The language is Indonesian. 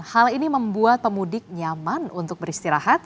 hal ini membuat pemudik nyaman untuk beristirahat